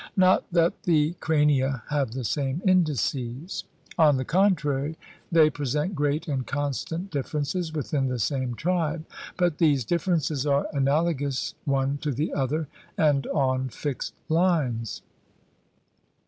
Not that the crania have the same indices. On 44 THE RED MAN'S CONTINENT the contrary, they present great and constant differ ences within the same tribe; but these differences are analogous one to the other, and on fixed fines.